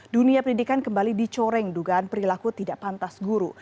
dunia pendidikan kembali dicoreng dugaan perilaku tidak pantas guru